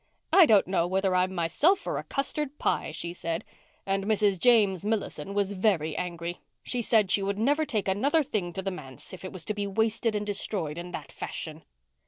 'I don't know whether I'm myself or a custard pie,' she said. And Mrs. James Millison was very angry. She said she would never take another thing to the manse if it was to be wasted and destroyed in that fashion."